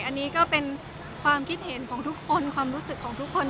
อันนี้ก็เป็นความคิดเห็นของทุกคนความรู้สึกของทุกคน